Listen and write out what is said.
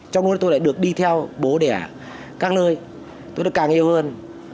trong đó tôi lại được đi theo bố đẻ các nơi tôi được càng yêu hơn